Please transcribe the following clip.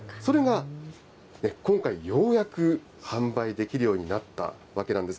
それが今回、ようやく販売できるようになったわけなんです。